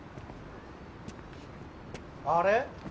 あれ？